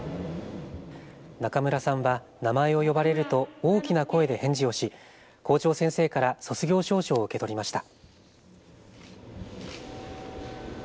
中村さんは名前を呼ばれると大きな声で返事をし校長先生から卒業証書を受け取りました。